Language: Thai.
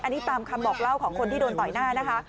อันนี้ตามคำบอกเล่าของคนที่โดนต่อยหน้านะคะ